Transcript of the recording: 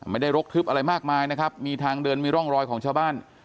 รกทึบอะไรมากมายนะครับมีทางเดินมีร่องรอยของชาวบ้าน